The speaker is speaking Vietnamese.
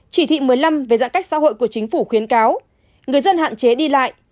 chỉ thị một mươi năm về giãn cách xã hội của chính phủ khuyến cáo người dân hạn chế đi lại